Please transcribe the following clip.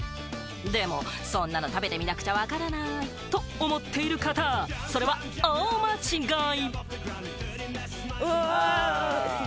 でも、そんなの食べてみなくちゃわからない！と思っている方、それは大間違い！